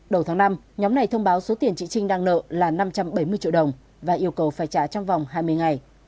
đầu tháng năm nhóm này thông báo số tiền chị trinh đang nợ là năm trăm bảy mươi triệu đồng và yêu cầu phải trả trong vòng hai mươi ngày